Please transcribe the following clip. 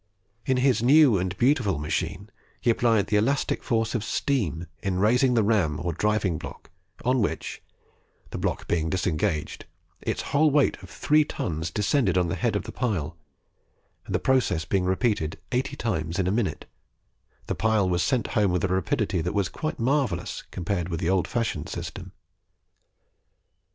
In his new and beautiful machine, he applied the elastic force of steam in raising the ram or driving block, on which, the block being disengaged, its whole weight of three tons descended on the head of the pile, and the process being repeated eighty times in the minute, the pile was sent home with a rapidity that was quite marvellous compared with the old fashioned system.